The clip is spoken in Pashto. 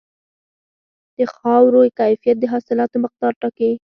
د خاورې کیفیت د حاصلاتو مقدار ټاکي.